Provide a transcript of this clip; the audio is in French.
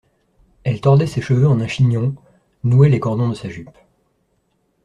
Elle tordait ses cheveux en un chignon, nouait les cordons de sa jupe.